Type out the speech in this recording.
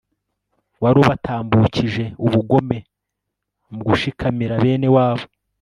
wari ubatambukije ubugome mu gushikamira bene wabo